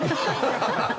ハハハハ！